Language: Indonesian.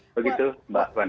begitu mbak fani